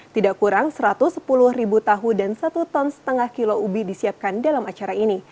tidak kurang satu ratus sepuluh ribu tahu dan satu ton setengah kilo ubi disiapkan dalam acara ini